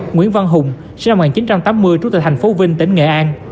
nguyễn văn hùng sinh năm một nghìn chín trăm tám mươi trú tại thành phố vinh tỉnh nghệ an